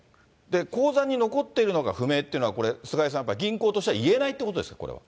口座に残っているのか不明というのは、これ、菅井さん、やっぱりこれ銀行としては言えないということですか、これは。